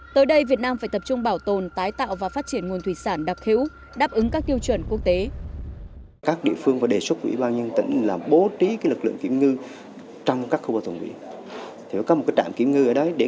tới đây việt nam phải tập trung bảo tồn tái tạo và phát triển nguồn thủy sản đặc hữu đáp ứng các tiêu chuẩn quốc tế